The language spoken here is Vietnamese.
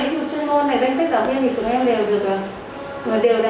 vì cái này ví dụ chuyên môn này danh sách giáo viên thì chúng em đều được người đều đã